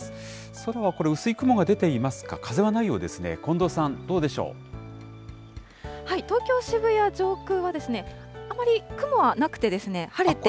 空はこれ、薄い雲が出ていますか、風はないようですね、近藤さん、東京・渋谷上空は、あまり雲はなくて、晴れて。